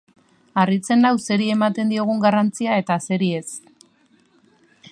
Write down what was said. Harritzen nau zeri ematen diogun garrantzia eta zeri ez.